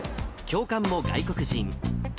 教官も外国人。